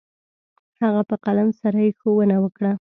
هغه په قلم سره يې ښوونه وكړه.